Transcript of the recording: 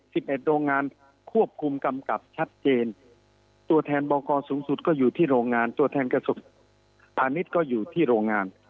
สิบเอ็ดโรงงานควบคุมกำกลับชัดเจนตัวแทนบอกสูงสุดก็อยู่ที่โรงงาน